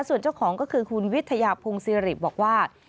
ส่วนเจ้าของก็คือคุณวิทยาพงศิริบอกว่า